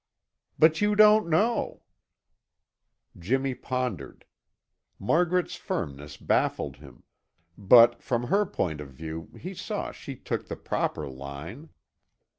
"But you don't know!" Jimmy pondered. Margaret's firmness baffled him, but, from her point of view, he saw she took the proper line.